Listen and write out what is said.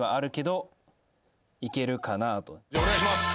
じゃあお願いします。